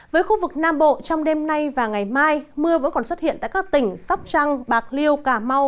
với khu vực nam bộ trong đêm nay và ngày mai mưa vẫn còn xuất hiện tại các tỉnh sóc trăng bạc liêu cà mau